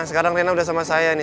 sekarang rena udah sama saya nih